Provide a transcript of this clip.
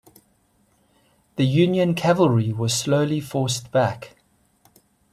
The Union cavalry was slowly forced back.